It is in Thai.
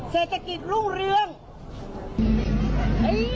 เศรษฐกิจรุ่งเรือง